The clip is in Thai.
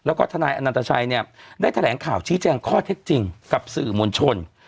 แล้วก็ทนายอนันตชัยเนี่ยได้แถลงข่าวชี้แจงข้อเท็จจริงกับสื่อมวลชน